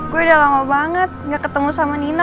gue udah lama banget gak ketemu sama nina